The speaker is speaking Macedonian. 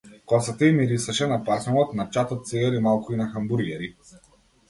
Косата ѝ мирисаше на парфемот, на чад од цигари, малку и на хамбургери.